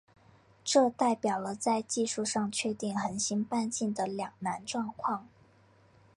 这代表了在技术上确定恒星半径的两难状况。